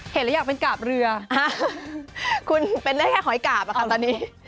เห็นแล้วอยากเป็นกาบเรือคุณเป็นได้แค่หอยกาบอะค่ะตอนนี้